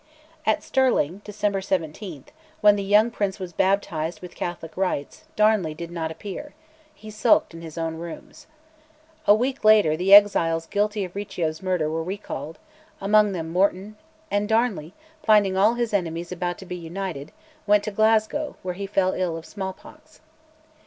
At Stirling (December 17), when the young prince was baptised with Catholic rites, Darnley did not appear; he sulked in his own rooms. A week later, the exiles guilty of Riccio's murder were recalled, among them Morton; and Darnley, finding all his enemies about to be united, went to Glasgow, where he fell ill of smallpox.